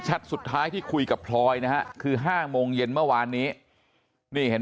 สุดท้ายที่คุยกับพลอยนะฮะคือ๕โมงเย็นเมื่อวานนี้นี่เห็น